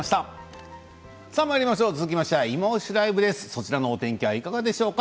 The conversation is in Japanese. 続きましては「いまオシ！ＬＩＶＥ」です。そちらのお天気はいかがでしょうか？